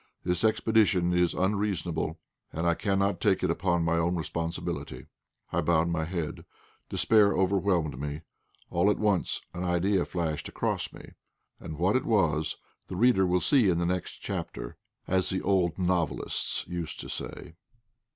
This expedition is unreasonable, and I cannot take it upon my own responsibility." I bowed my head; despair overwhelmed me. All at once an idea flashed across me, and what it was the reader will see in the next chapter, as the old novelists used to say.